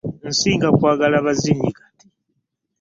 Nsinga kwagala bazinyi kati.